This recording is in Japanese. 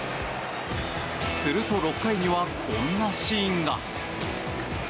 すると、６回にはこんなシーンが。